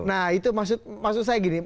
nah itu maksud saya gini